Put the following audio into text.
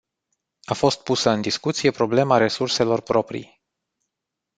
A fost pusă în discuție problema resurselor proprii.